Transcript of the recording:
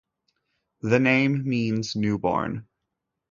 The name means new born.